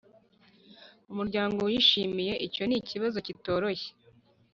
umuryango wishimye Icyo ni ikibazo kitoroshye